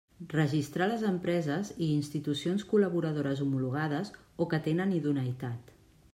Registrar les empreses i institucions col·laboradores homologades o que tenen idoneïtat.